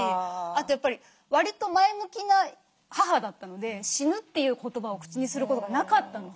あとやっぱりわりと前向きな母だったので「死ぬ」という言葉を口にすることがなかったので。